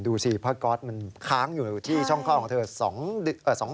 ดูสิเพราะก๊อตมันค้างอยู่ที่ช่องคลอดของเธอ๒เดือน